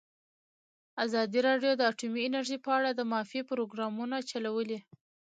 ازادي راډیو د اټومي انرژي په اړه د معارفې پروګرامونه چلولي.